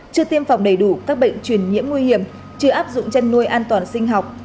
chưa tiêm phòng đầy đủ các bệnh truyền nhiễm nguy hiểm chưa áp dụng chăn nuôi an toàn sinh học